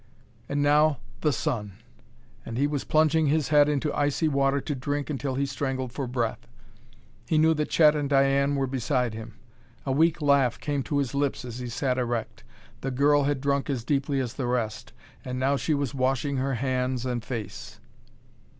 And now, the sun! And he was plunging his head into icy water to drink until he strangled for breath! He knew that Chet and Diane were beside him. A weak laugh came to his lips as he sat erect: the girl had drunk as deeply as the rest and now she was washing her hands and face.